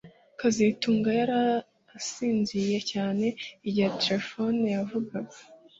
kazitunga yari asinziriye cyane igihe terefone yavugaga